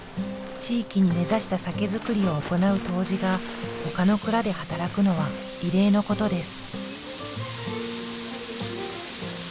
地域に根ざした酒造りを行う杜氏がほかの蔵で働くのは異例のことです。